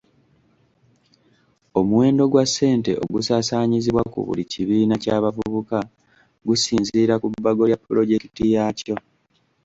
Omuwendo gwa ssente ogusaasaanyizibwa ku buli kibiina ky'abavuka gusinziira ku bbago lya pulojekiti yaakyo.